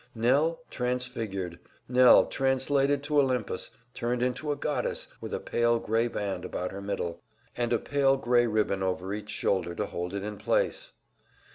Nell transfigured, Nell translated to Olympus, turned into a goddess with a pale grey band about her middle, and a pale grey ribbon over each shoulder to hold it in place!